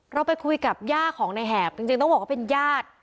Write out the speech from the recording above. เราไปคุยกับย่าของในแหบจริงต้องบอกว่าเป็นญาติ